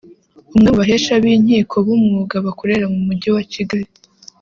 umwe mu bahesha b’inkiko b’umwuga bakorera mu Mujyi wa Kigali